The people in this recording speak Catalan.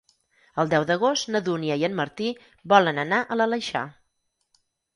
El deu d'agost na Dúnia i en Martí volen anar a l'Aleixar.